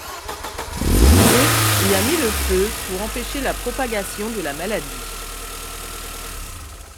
Ruth y a mis le feu pour empêcher la propagation de la maladie.